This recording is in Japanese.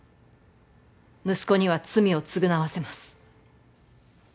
息子には罪を償わせます。